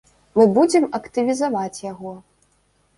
Мы будзем актывізаваць яго.